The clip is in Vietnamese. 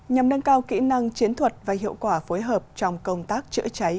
nhằm nâng cao kỹ năng chiến thuật và hiệu quả phối hợp trong công tác chữa cháy